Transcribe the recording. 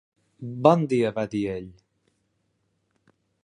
Bon dia va dir ell